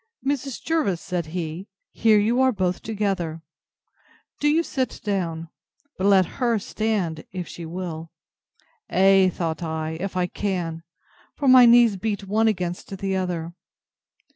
Mrs. Jervis, said he, here you are both together. Do you sit down; but let her stand, if she will. Ay, thought I, if I can; for my knees beat one against the other.